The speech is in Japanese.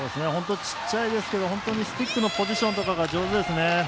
本当ちっちゃいですけどスティックのポジションが上手ですね。